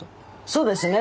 そうですね